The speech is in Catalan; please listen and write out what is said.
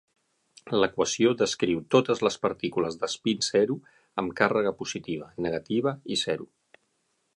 L'equació descriu totes les partícules d'espín zero amb càrrega positiva, negativa i zero.